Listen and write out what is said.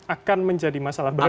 akan menjadi masalah baru